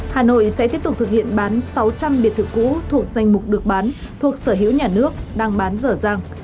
hà nội sẽ tiếp tục thực hiện bán sáu trăm linh biệt thự cũ thuộc danh mục được bán thuộc sở hữu nhà nước đang bán dở dàng